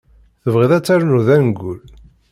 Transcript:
Tebɣiḍ ad ternuḍ angul?